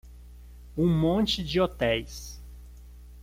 Um monte de hotéis